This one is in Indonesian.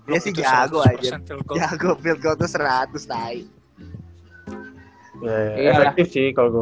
ya sih jago aja jago pilko seratus naik